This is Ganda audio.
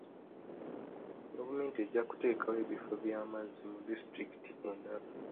Gavumenti ejja kuteekawo ebifo by'amazzi mu disitulikiti endala.